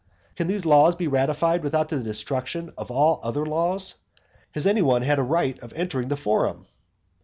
Can these laws be ratified without the destruction of all other laws? Has any one had a right of entering the forum?